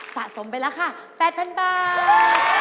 สะสมไปแล้วค่ะ๘๐๐๐บาท